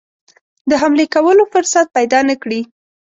د حملې کولو فرصت پیدا نه کړي.